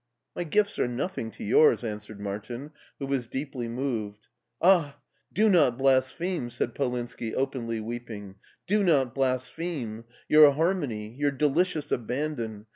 " My gifts are nothing to yours," Answered Martin, who was deeply moved. "Ah! do not blaspheme," said Polinski, openly weeping ;" do not blaspheme. Your harmony ! Your delicious abandon!